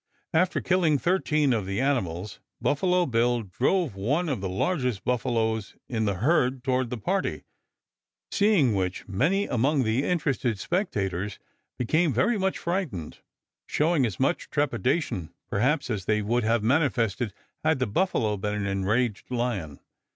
After killing thirteen of the animals, Buffalo Bill drove one of the largest buffaloes in the herd toward the party, seeing which many among the interested spectators became very much frightened, showing as much trepidation, perhaps, as they would have manifested had the buffalo been an enraged lion.